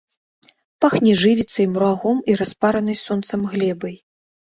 Пахне жывіцай, мурагом і распаранай сонцам глебай.